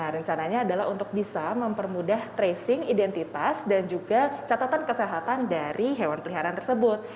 rencananya adalah untuk bisa mempermudah tracing identitas dan juga catatan kesehatan dari hewan peliharaan tersebut